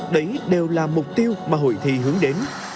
đấy đều là mục tiêu mà hội thi hướng đến